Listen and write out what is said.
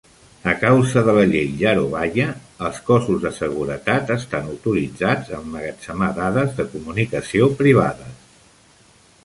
A causa de la llei Yarovaya, els cossos de seguretat estan autoritzats a emmagatzemar dades de comunicació privades.